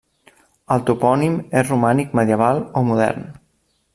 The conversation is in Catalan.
El topònim és romànic medieval o modern.